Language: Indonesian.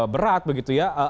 berat begitu ya